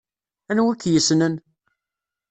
Anwa i k-yessnen?